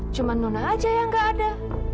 cuma nona aja yang gak ada